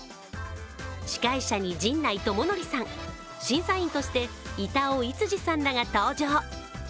司会者に陣内智則さん、審査員として板尾創路さんらが登場。